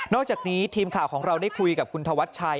อกจากนี้ทีมข่าวของเราได้คุยกับคุณธวัชชัย